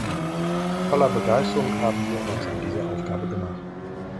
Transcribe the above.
Voller Begeisterung haben wir uns an diese Aufgabe gemacht.